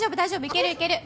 いけるいける！